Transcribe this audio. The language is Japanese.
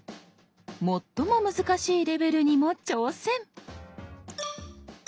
最も難しいレベルにも挑戦。